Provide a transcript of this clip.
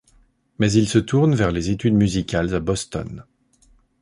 Mais il se tourne vers les études musicales à Boston.